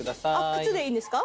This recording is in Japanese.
靴でいいんですか？